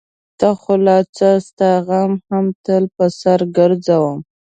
ته خو لا څه؛ ستا غم هم تل په سر ګرځوم.